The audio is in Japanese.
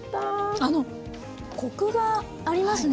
あのコクがありますね